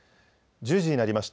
１０時になりました。